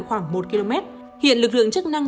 khoảng một km hiện lực lượng chức năng